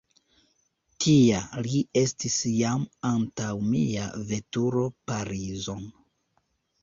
Tia li estis jam antaŭ mia veturo Parizon.